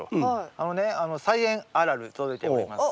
あのね「菜園あるある」届いております。